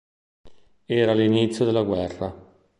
Era l'inizio della guerra.